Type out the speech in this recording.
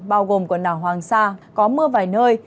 bao gồm quần đảo hoàng sa có mưa vài nơi